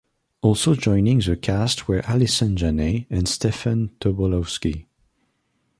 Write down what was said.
Also joining the cast were Allison Janney and Stephen Tobolowsky.